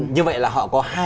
như vậy là họ có hai